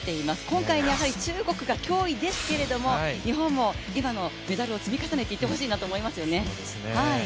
今回はやはり中国が脅威ですけど、日本も今のメダルを積み重ねていってほしいなと思いますよね。